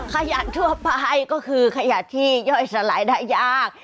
ขยะทั่วไปก็คือขยะที่ย่อยสลายได้ยาก